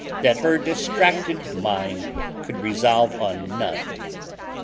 that her distracted mind could resolve on none.